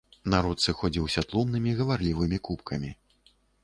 Народ сыходзіўся тлумнымі гаварлівымі купкамі.